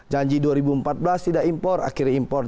janji dua ribu empat belas tidak impor akhirnya impor